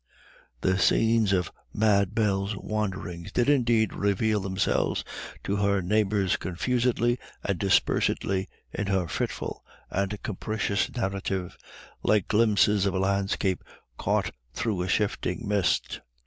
The scenes of Mad Bell's wanderings did indeed reveal themselves to her neighbours confusedly and dispersedly in her fitful and capricious narrative, like glimpses of a landscape caught through a shifting mist.